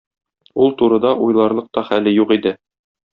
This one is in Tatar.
Ул турыда уйларлык та хәле юк иде.